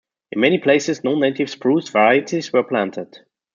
In many places non-native spruce varieties were planted.